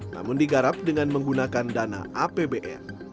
namun digarap dengan menggunakan dana apbn